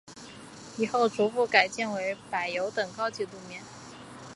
以后逐步改建为柏油等高级路面。